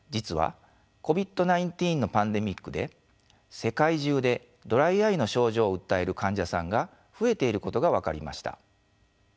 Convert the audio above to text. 実はＣＯＶＩＤ−１９のパンデミックで世界中でドライアイの症状を訴える患者さんが増えていることが分かりました。